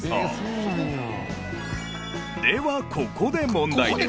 ではここで問題。